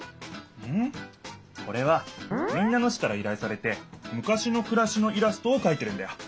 これは民奈野市からいらいされてむかしのくらしのイラストをかいているんだよ。